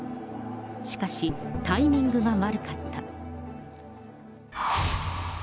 しかし、タイミングが悪かった。